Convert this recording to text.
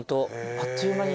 あっという間に。